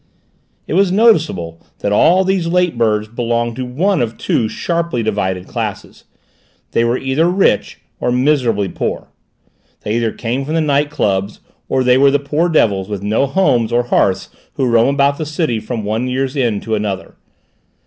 And it was noticeable that all these late birds belonged to one of two sharply divided classes. They were either rich, or miserably poor; they either came from the night clubs, or they were the poor devils with no homes or hearths who roam about the city from one year's end to another.